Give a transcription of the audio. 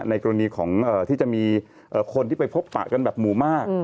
กรณีของที่จะมีคนที่ไปพบปะกันแบบหมู่มาก